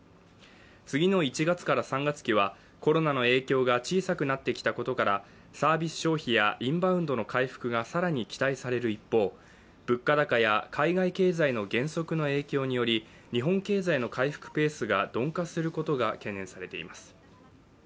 次の１月から３月期はコロナの影響が小さくなってきたことからサービス消費やインバウンドの回復が更に期待される一方物価高や海外経済の減速の影響により日本経済の回復ペースが鈍化することが懸念されています。